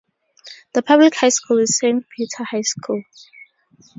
The public high school is Saint Peter High School.